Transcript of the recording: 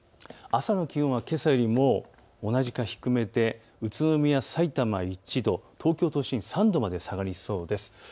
朝の気温はけさよりも同じか低めで宇都宮、さいたま１度、東京都心３度まで下がりそうです。